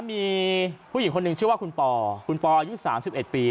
มีผู้หญิงคนหนึ่งชื่อว่าคุณปอคุณปออายุ๓๑ปี